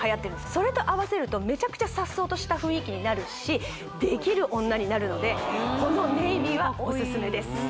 それとあわせるとめちゃくちゃ颯爽とした雰囲気になるしできる女になるのでこのネイビーはオススメです